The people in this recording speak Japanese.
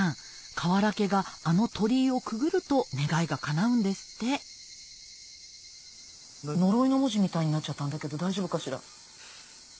かわらけがあの鳥居をくぐると願いがかなうんですって呪いの文字みたいになっちゃったんだけど大丈夫かしら？